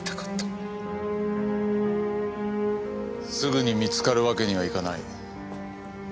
すぐに見つかるわけにはいかない。